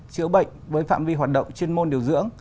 chữa bệnh với phạm vi hoạt động chuyên môn điều dưỡng